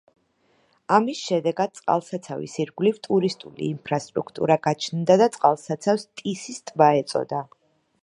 ამის შედეგად წყალსაცავის ირგვლივ ტურისტული ინფრასტრუქტურა გაჩნდა და წყალსაცავს ტისის ტბა ეწოდა.